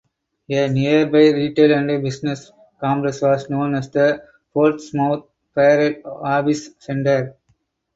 A nearby retail and business complex was known as the Portsmouth Parade Office Center.